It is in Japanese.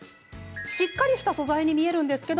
しっかりした素材に見えるんですけど